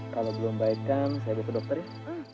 kalau belum baikkan saya bawa ke dokter ya